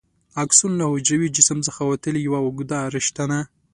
اکسون له حجروي جسم څخه وتلې یوه اوږده رشته ده.